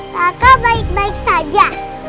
raka baik baik saja